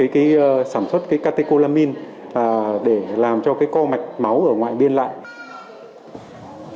để sản xuất catecholamine để làm cho con mạch máu ở ngoài biên lại